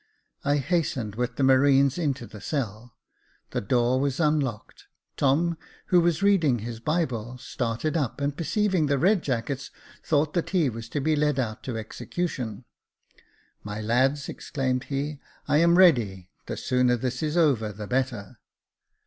I hastened with the marines into the cell : the door was unlocked. Tom, who was reading his Bible, started up, and perceiving the red jackets, thought that he was to be led out to execution. *' My lads," exclaimed he, " I am ready : the sooner this is over the better."